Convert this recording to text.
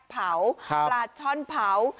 เผาปลาช่อนเผา